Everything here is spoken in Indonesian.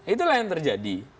itulah yang terjadi